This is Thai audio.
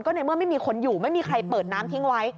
ในเมื่อไม่มีคนอยู่ไม่มีใครเปิดน้ำทิ้งไว้